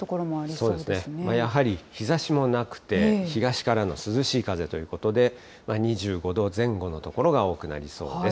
そうですね、やはり日ざしもなくて、東からの涼しい風ということで、２５度前後の所が多くなりそうです。